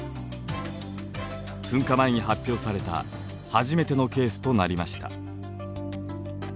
噴火前に発表された初めてのケースとなりました。